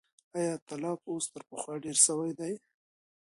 ایا طلاق اوس تر پخوا ډېر سوی دی؟